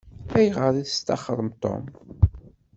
Ayɣer i testaxṛem Tom?